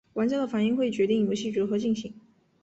玩家的反应会决定游戏如何进行。